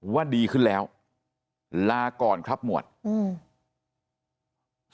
ว่าดีขึ้นแล้วลาก่อนครับหมวดอืม